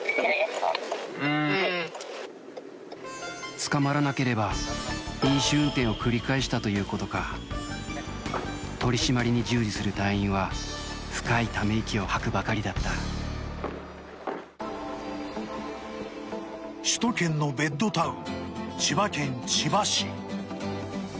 捕まらなければ飲酒運転を繰り返したということか取り締まりに従事する隊員は深いため息を吐くばかりだった首都圏のベッドタウン